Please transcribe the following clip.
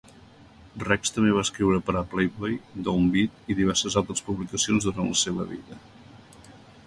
Rex també va escriure per a "Playboy", "Down Beat" i diverses altres publicacions durant la seva vida.